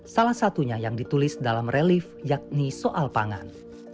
salah satunya yang ditulis dalam relief yakni soal pangan